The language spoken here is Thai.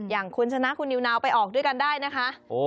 อย่างคุณชนะคุณนิวนาวไปออกด้วยกันได้นะคะ